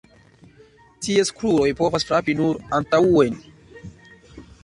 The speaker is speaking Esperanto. Ties kruroj povas frapi nur antaŭen.